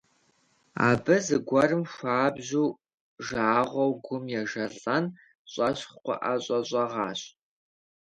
Абы зэгуэрым хуабжьу жагъуэу гум ежэлӀэн щӀэщӀхъу къыӀэщӀэщӀэгъащ.